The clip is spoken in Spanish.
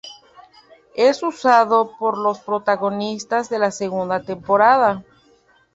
Es usado por los protagonistas de la segunda temporada.